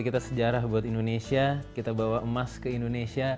kita sejarah buat indonesia kita bawa emas ke indonesia